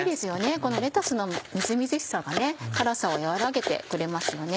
このレタスのみずみずしさが辛さを和らげてくれますよね。